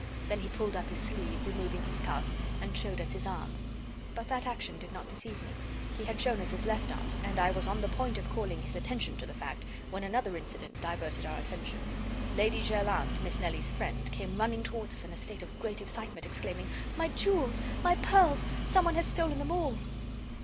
Then he pulled up his sleeve, removing his cuff, and showed us his arm. But that action did not deceive me. He had shown us his left arm, and I was on the point of calling his attention to the fact, when another incident diverted our attention. Lady Jerland, Miss Nelly's friend, came running towards us in a state of great excitement, exclaiming: "My jewels, my pearls! Some one has stolen them all!"